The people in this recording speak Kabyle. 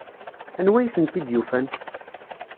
Anwi ay tent-id-yufan?